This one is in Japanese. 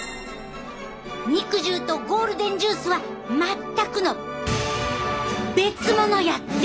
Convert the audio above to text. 肉汁とゴールデンジュースはまったくの別物やってん！